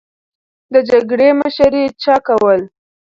د جګړې مشري چا کوله؟